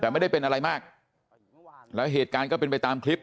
แต่ไม่ได้เป็นอะไรมากแล้วเหตุการณ์ก็เป็นไปตามคลิป